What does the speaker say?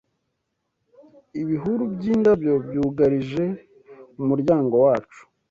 Ibihuru byindabyo byugarije umuryango wacu